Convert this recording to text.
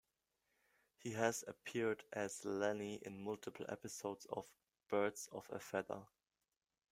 He has appeared as Lenny in multiple episodes of "Birds of a Feather".